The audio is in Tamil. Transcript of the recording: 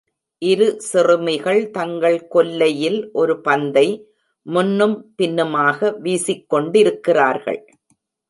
இரு சிறுமிகள் தங்கள் கொல்லையில் ஒரு பந்தை முன்னும் பின்னுமாக வீசிக்கொண்டிருக்கிறார்கள்.